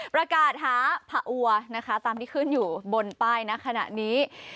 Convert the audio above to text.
ประกาศหาผะอัวนะคะตามที่ขึ้นอยู่บนป้ายนะขณะนี้